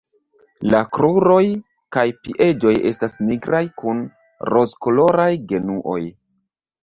La kruroj kaj piedoj estas nigraj kun rozkoloraj genuoj.